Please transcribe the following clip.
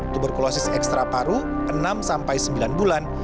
tuberkulosis ekstra paru enam sampai sembilan bulan